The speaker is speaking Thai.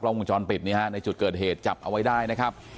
วงจรปิดนี้ฮะในจุดเกิดเหตุจับเอาไว้ได้นะครับ